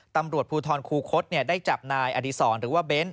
ตำรวจภูทรคูคศได้จับนายอดีศรหรือว่าเบ้น